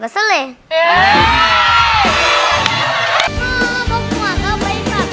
ไฟน้ำเลยหรือไม่น้ำหัว